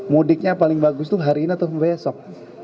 mudiknya paling bagus itu hari ini atau besok